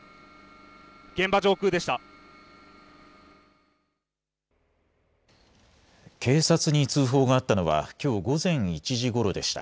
現場上空でした。